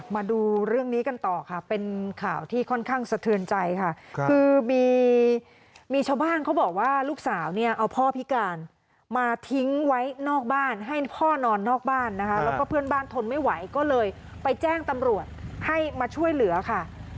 มาดูเรื่องนี้กันต่อค่ะเป็นข่าวที่ค่อนข้างสะเทือนใจค่ะคือมีชาวบ้านเขาบอกว่าลูกสาวเนี่ยเอาพ่อพิการมาทิ้งไว้นอกบ้านให้พ่อนอนนอกบ้านนะคะแล้วก็เพื่อนบ้านทนไม่ไหวก็เลยไปแจ้งตำรวจให้มาช่วยเหลือค่ะ